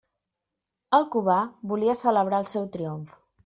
El Cubà volia celebrar el seu triomf.